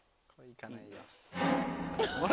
あれ？